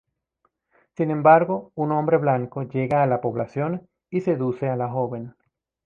Sin embargo, un hombre blanco llega a la población y seduce a la joven.